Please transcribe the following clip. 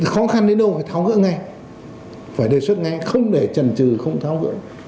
khó khăn đến đâu phải tháo ngưỡng ngay phải đề xuất ngay không để trần trừ không tháo ngưỡng